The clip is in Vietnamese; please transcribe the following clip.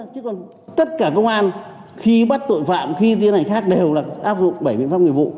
chứ còn tất cả công an khi bắt tội phạm khi tiến hành khác đều là áp dụng bảy biện pháp nghiệp vụ